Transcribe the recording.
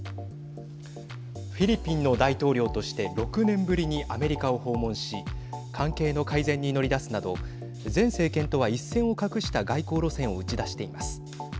フィリピンの大統領として６年ぶりにアメリカを訪問し関係の改善に乗り出すなど前政権とは一線を画した外交路線を打ち出しています。